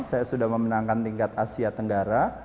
saya sudah memenangkan tingkat asia tenggara